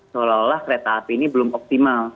seolah olah kereta api ini belum optimal